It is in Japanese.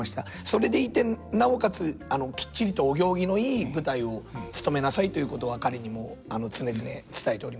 それでいてなおかつきっちりとお行儀のいい舞台をつとめなさいということは彼にも常々伝えております。